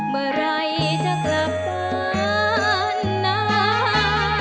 เมื่อไหร่จะกลับบ้านนา